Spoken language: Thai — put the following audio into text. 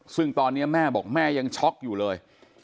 ซึ่งตอนนี้แม่บอกแม่ยังช็อกอยู่เลย